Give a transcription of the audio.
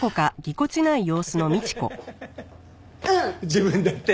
自分だって！